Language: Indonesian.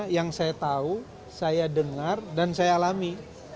yang saya tahu saya dengar dan saya alami